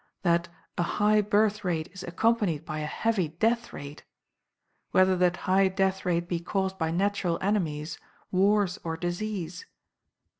that A HIGH BIRTH RATE IS ACCOMPANIED BY A HEAVY DEATH RATE, whether that high death rate be caused by natural enemies, wars, or disease.